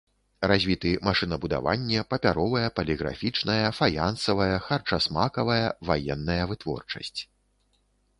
Развіты машынабудаванне, папяровая, паліграфічная, фаянсавая, харчасмакавая, ваенная вытворчасць.